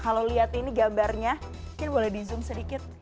kalau lihat ini gambarnya mungkin boleh di zoom sedikit